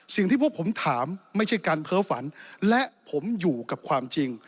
สิ่งที่พวกผมถามไม่ใช่การเพ้อฝันและผมอยู่กับความจริง